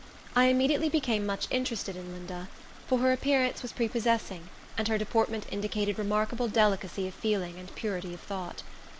I immediately became much interested in Linda; for her appearance was prepossessing, and her deportment indicated remarkable delicacy of feeling and purity of thought.